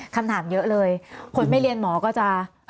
คำถามเยอะเลยคนไม่เรียนหมอก็จะ